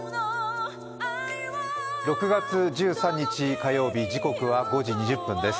６月１３日火曜日、時刻は５時２０分です